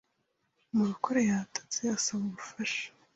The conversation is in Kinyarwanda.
Murokore yatatse asaba ubufasha